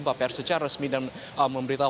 pak pr secara resmi dan memberitahu